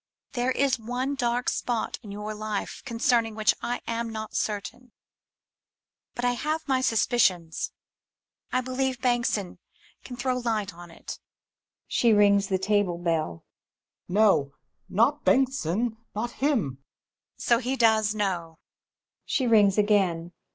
There is one dark spot in your life concerning which I am not certain, although I have my suspicions .... I believe Bengtsson can throw light on it. [She rings the table bell. Hummel. No ! Not Bengtsson ! Not him ! MuMMT. So he does know ? [She rings again.